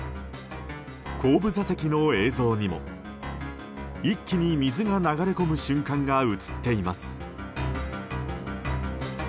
後部座席の映像にも一気に水が流れ込む瞬間が映っています。